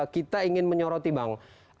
kita ingin menyoroti bang